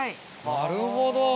なるほど。